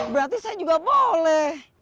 berarti saya juga boleh